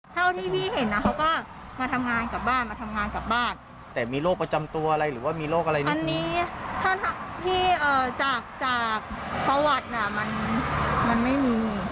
ถ้าที่พี่ได้ยินที่วัพพอเขาคุยกันเขาบอกว่าน่าจะเชี่ยจากเรื่องทางบ้าน